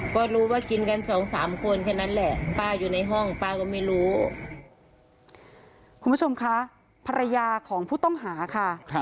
คุณผู้ชมคะภรรยาของผู้ต้องหาค่ะ